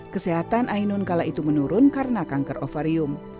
kesehatan ainun kala itu menurun karena kanker ovarium